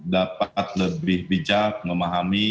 dapat lebih bijak memahami